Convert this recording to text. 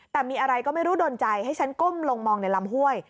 แต่มีอะไรก็ไม่รู้โดนใจให้ฉันก้มลงมองในลำห้วย